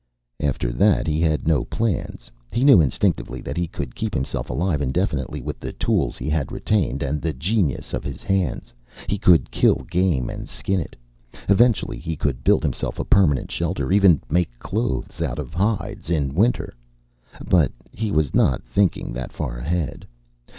After that he had no plans. He knew instinctively that he could keep himself alive indefinitely with the tools he had retained, and the genius of his hands. He could kill game and skin it. Eventually he could build himself a permanent shelter, even make clothes out of hides. In winter But he was not thinking that far ahead.